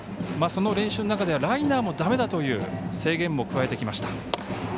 その練習の中ではライナーもだめだという制限も加えてきました。